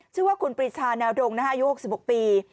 ชื่อว่าคุณปริชาแนวดงอายุ๖๖ปี